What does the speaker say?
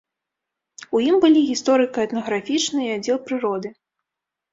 У ім былі гісторыка-этнаграфічны і аддзел прыроды.